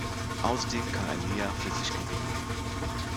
Außerdem kann er Leah für sich gewinnen.